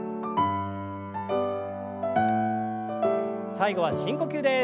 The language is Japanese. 最後は深呼吸です。